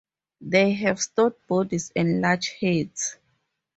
They have stout bodies and large heads.